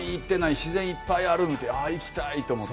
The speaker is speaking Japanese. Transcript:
自然いっぱいある、ああ行きたいと思って。